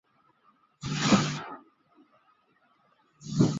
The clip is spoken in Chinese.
过度换气综合症是晕眩症十分常见的诱因。